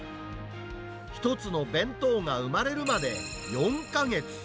１つの弁当が生まれるまで４か月。